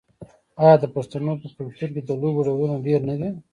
آیا د پښتنو په کلتور کې د لوبو ډولونه ډیر نه دي؟